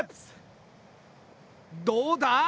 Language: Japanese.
どうだ？